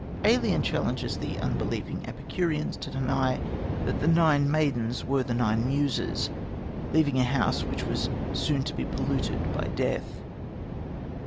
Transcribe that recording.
Ælian challenges the unbelieving Epicureans to deny that the nine maidens were the nine Muses, leaving a house which was so soon to be polluted by death.